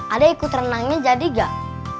adik ikut renangnya jadi gak